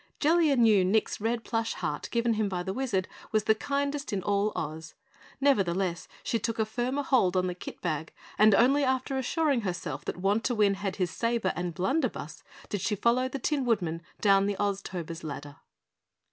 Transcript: Jellia knew Nick's red plush heart, given him by the Wizard, was the kindest in all Oz. Nevertheless she took a firmer hold on the kit bag, and only after assuring herself that Wantowin had his saber and blunder buss did she follow the Tin Woodman down the Oztober's ladder.